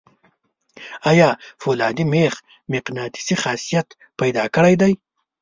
آیا فولادي میخ مقناطیسي خاصیت پیدا کړی دی؟